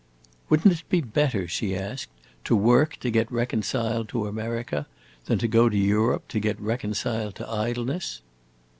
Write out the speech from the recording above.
"Would n't it be better," she asked, "to work to get reconciled to America, than to go to Europe to get reconciled to idleness?"